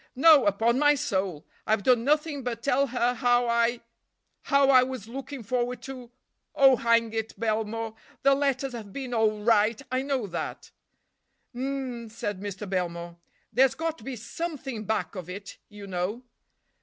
"No, upon my soul I've done nothing but tell her how I—how I was looking forward to—oh, hang it, Belmore, the letters have been all right, I know that." "H'm," said Mr. Belmore, "there's got to be something back of it, you know.